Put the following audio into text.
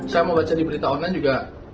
saya mau baca di berita online juga pak gubernur